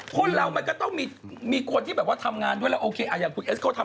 คนเรามันก็ต้องมีคนที่ทำงานอย่างคุณเอสนะ